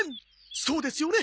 そうですよね？